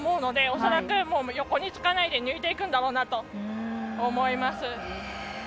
恐らく、横につかないで抜いていくんだろうなと思います。